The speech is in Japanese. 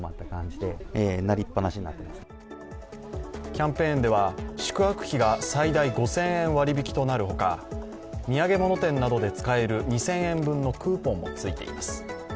キャンペーンでは、宿泊費が最大５０００円割引となるほか、土産物店などで使える２０００円分のクーポンもついています。